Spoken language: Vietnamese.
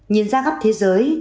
nhìn ra gấp thế giới